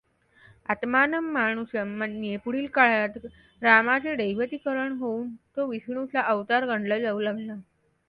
आत्मानं मानुषं मन्ये पुढील काळात रामाचे दैवतीकरण होऊन तो विष्णूचा अवतार गणला जाऊ लागला.